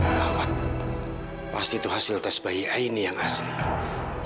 bapak pasti itu hasil tes bayi aini yang asli